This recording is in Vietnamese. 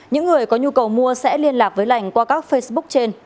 những người có nhu cầu mua sẽ liên lạc với lành